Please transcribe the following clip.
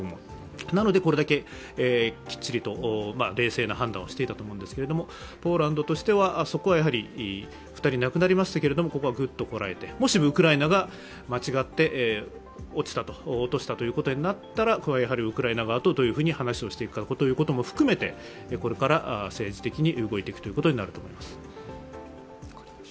なのでこれだけきっちりと冷静な判断をしていたと思うんですが、ポーランドとしてはそこは、２人亡くなりましたけれども、ここはグッとこらえて、もしウクライナが間違って落ちた、落としたということになったらウクライナ側とどういうふうに話をしていくかということも含めてこれから政治的に動いていくことになると思います。